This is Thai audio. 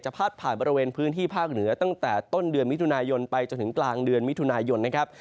พาดผ่านบริเวณพื้นที่ภาคเหนือตั้งแต่ต้นเดือนมิถุนายนไปจนถึงกลางเดือนมิถุนายนนะครับ